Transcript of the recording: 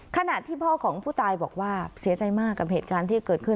ขณะที่พ่อของผู้ตายบอกว่าเสียใจมากกับเหตุการณ์ที่เกิดขึ้น